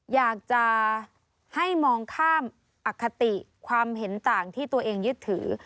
อยากจะให้มองข้ามอคติความเห็นต่างที่ตัวเองยึดถือ